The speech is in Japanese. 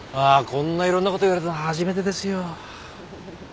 こんないろんなこと言われたの初めてですよ。フフフ。